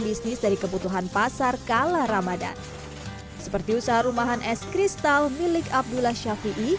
bisnis dari kebutuhan pasar kala ramadhan seperti usaha rumahan es kristal milik abdullah syafi'i